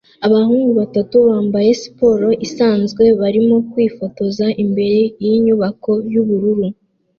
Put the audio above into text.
Abahungu batatu bambaye siporo isanzwe barimo kwifotoza imbere yinyubako yubururu